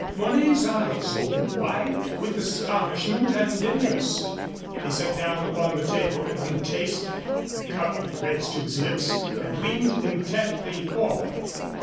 Mornay's eyes opened wide with astonishment and interest. He set down upon the table, untasted, the cup he had raised to his lips, and leaned intently forward.